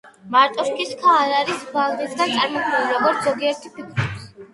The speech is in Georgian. მარტორქის რქა არ არის ბალნისგან წარმოქმნილი, როგორც ზოგიერთი ფიქრობს.